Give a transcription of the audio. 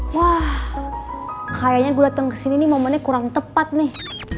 wah kayaknya gue dateng kesini momennya kurang tepat nih